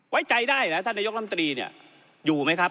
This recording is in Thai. ไว้ใจได้เหรอท่านนายกรรมตรีเนี่ยอยู่ไหมครับ